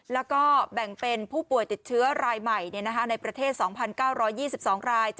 แล้วก็แบ่งเป็นผู้ป่วยติดเชื้อรายใหม่ในประเทศ๒๙๒๒ราย